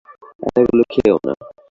এতগুলো খেয়েও না।